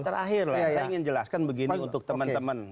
terakhirlah saya ingin jelaskan begini untuk teman teman